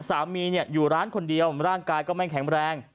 สามีอยู่ร้านคนเดียวร่างกายก็ไม่แข็งแรง